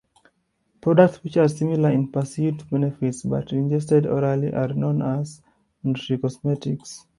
Products which are similar in perceived benefits but ingested orally are known as nutricosmetics.